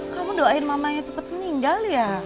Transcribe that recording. kamu doain mamanya cepat meninggal ya